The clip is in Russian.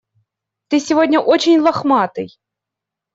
Ты сегодня очень лохматый.